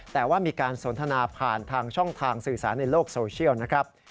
แต่ว่ามีการสนทนาผ่านทางช่องทางสื่อสารในโลกโซเชียลนะครับ